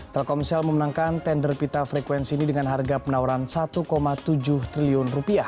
telkomsel memenangkan tender pita frekuensi ini dengan harga penawaran rp satu tujuh triliun